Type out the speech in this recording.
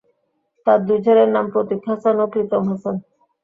তার দুই ছেলের নাম প্রতীক হাসান ও প্রীতম হাসান।